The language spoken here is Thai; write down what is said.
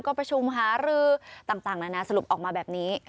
ก็ประชุมหารือต่างนานาสรุปออกมาแบบนี้